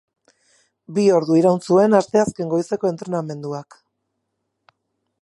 Bi ordu iraun zuen asteazken goizeko entrenamenduak.